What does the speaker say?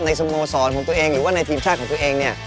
สโมสรของตัวเองหรือว่าในทีมชาติของตัวเองเนี่ย